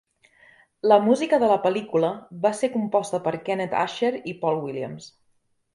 La música de la pel·lícula va ser composta per Kenneth Ascher i Paul Williams.